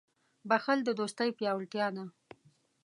• بښل د دوستۍ پیاوړتیا ده.